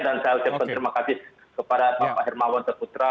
dan saya ucapkan terima kasih kepada bapak hermawan saputra